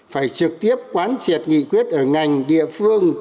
phải trực tiếp quán triệt nghị quyết ở ngành địa phương